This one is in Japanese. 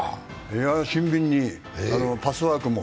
俊敏に、パスワークも。